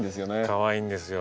かわいいんですよ。